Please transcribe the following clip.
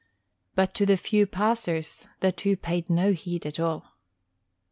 But to the few passers the two paid no heed at all.